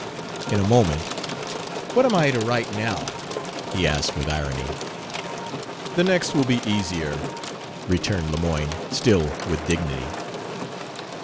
In a moment, "What am I to write now?" he asked with irony. "The next will be easier," returned Lemoyne, still with dignity.